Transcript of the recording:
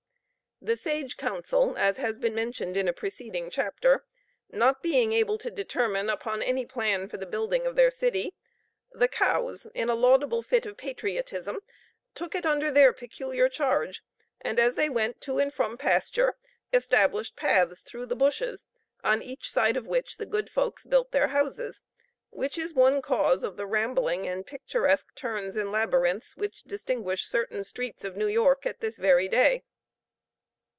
The sage council, as has been mentioned in a preceding chapter, not being able to determine upon any plan for the building of their city, the cows, in a laudable fit of patriotism, took it under their peculiar charge, and as they went to and from pasture, established paths through the bushes, on each side of which the good folks built their houses; which is one cause of the rambling and picturesque turns and labyrinths, which distinguish certain streets of New York at this very day.